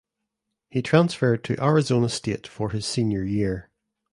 He transferred to Arizona State for his senior year.